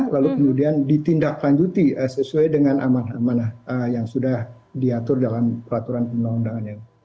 lalu kemudian ditindaklanjuti sesuai dengan aman amanah yang sudah diatur dalam peraturan undang undangannya